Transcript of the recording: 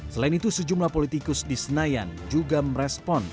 selain itu sejumlah politikus di senayan juga merespon